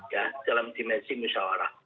ya dalam dimensi musyawarah